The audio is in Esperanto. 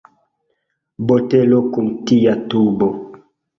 Botelo kun tia tubo.